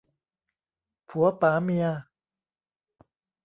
ผัวป๋าเมีย